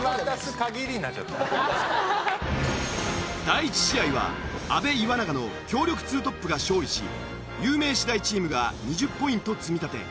第１試合は阿部岩永の強力２トップが勝利し有名私大チームが２０ポイント積み立て。